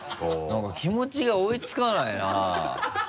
なんか気持ちが追いつかないな。